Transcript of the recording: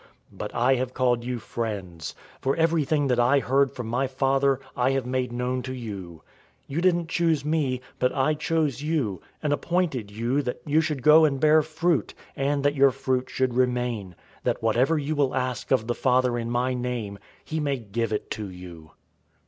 But I have called you friends, for everything that I heard from my Father, I have made known to you. 015:016 You didn't choose me, but I chose you, and appointed you, that you should go and bear fruit, and that your fruit should remain; that whatever you will ask of the Father in my name, he may give it to you.